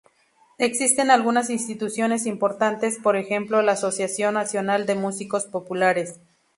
Existen algunas instituciones importantes, por ejemplo la Asociación Nacional de Músicos Populares.